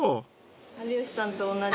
有吉さんと同じ。